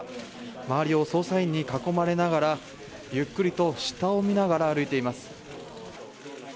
周りを捜査員に囲まれながらゆっくりと下を見ながら歩いています。